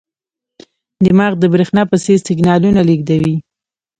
دماغ د برېښنا په څېر سیګنالونه لېږدوي.